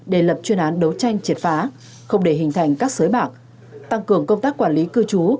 để lập chuyên án đấu tranh triệt phá không để hình thành các sới bạc tăng cường công tác quản lý cư trú